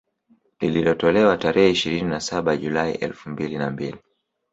Lililotolewa tarehe ishirini na saba Julai elfu mbili na mbili